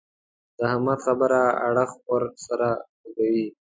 د احمد خبره اړخ ور سره لګوي.